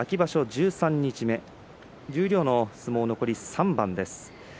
十三日目、十両の相撲残り３番です。